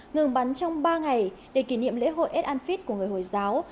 ngừng bắn trong ba ngày để kỷ niệm lễ hội ad anfit của người hồi giáo